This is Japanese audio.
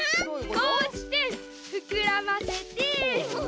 こうしてふくらませて。